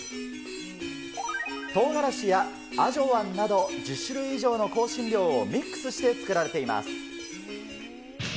とうがらしやアジョワンなど、１０種類以上の香辛料をミックスして作られています。